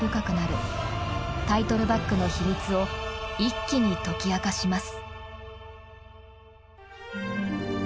タイトルバックの秘密を一気に解き明かします。